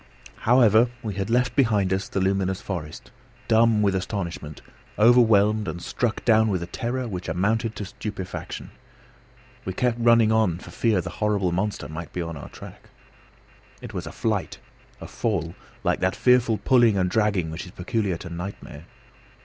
However, we had left behind us the luminous forest, dumb with astonishment, overwhelmed and struck down with a terror which amounted to stupefaction. We kept running on for fear the horrible monster might be on our track. It was a flight, a fall, like that fearful pulling and dragging which is peculiar to nightmare.